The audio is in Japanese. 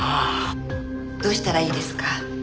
どうしたらいいですか？